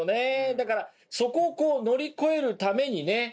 だからそこを乗り越えるためにね